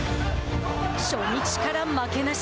初日から負けなし。